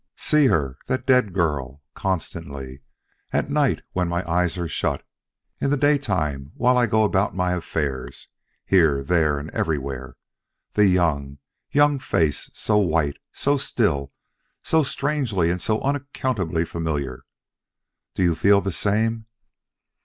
"See her, that dead girl! constantly at night when my eyes are shut in the daytime while I go about my affairs, here, there and everywhere. The young, young face! so white, so still, so strangely and so unaccountably familiar! Do you feel the same?